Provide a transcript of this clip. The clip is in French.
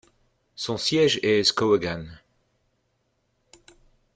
Son siège est Skowhegan.